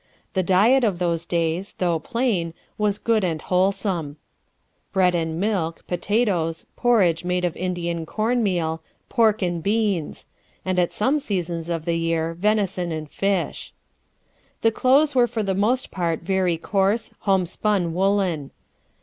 The diet of those days, though plain, was good and wholesome; bread and milk, potatoes, porridge made of Indian cornmeal, pork and beans; and at some seasons of the year, venison and fish. "The clothes were for the most part very coarse, homespun woollen.